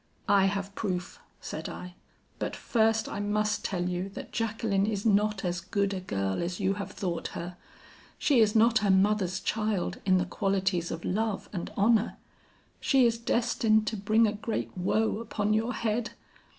'I have proof,' said I; 'but first I must tell you that Jacqueline is not as good a girl as you have thought her. She is not her mother's child in the qualities of love and honor. She is destined to bring a great woe upon your head.